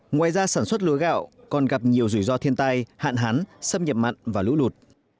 ngoài ra sản xuất lúa gạo còn gặp nhiều rủi ro thiên tai hạn hán xâm nhập mặn và lũ lụt